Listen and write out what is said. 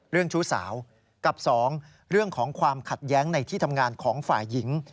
ชู้สาวกับ๒เรื่องของความขัดแย้งในที่ทำงานของฝ่ายหญิง